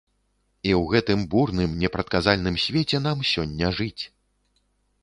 І ў гэтым бурным, непрадказальным свеце нам сёння жыць.